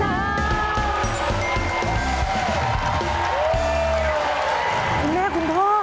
คุณแม่คุณพ่อ